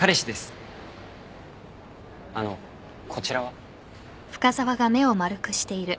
あのうこちらは？